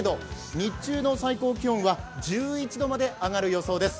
日中の最高気温は１１度まで上がる予想です。